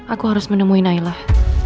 aku harus menemui nailah